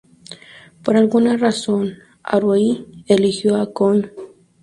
Por alguna razón, Haruhi "eligió" a Kyon.